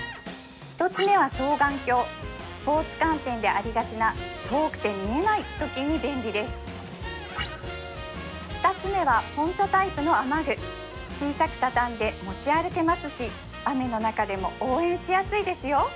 一つ目は双眼鏡スポーツ観戦でありがちな遠くて見えないときに便利です二つ目はポンチョタイプの雨具小さく畳んで持ち歩けますし雨の中でも応援しやすいですよ